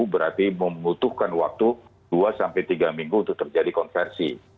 berarti membutuhkan waktu dua tiga minggu untuk terjadi konversi